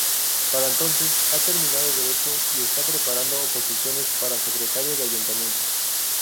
Para entonces ha terminado Derecho y está preparando oposiciones para Secretario de Ayuntamiento.